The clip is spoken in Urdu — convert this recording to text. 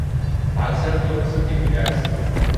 پاکستان میں دو قسم کے ہی ٹیکس ہیں۔